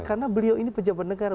karena beliau ini pejabat negara